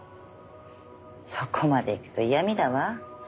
そこまでいくと嫌みだわ。